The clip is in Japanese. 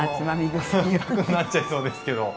卓になっちゃいそうですけど。